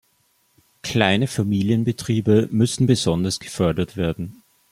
Kleine Familienbetriebe müssen besonders gefördert werden.